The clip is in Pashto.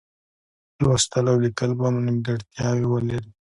لوستل او لیکل به مو نیمګړتیاوې ولري.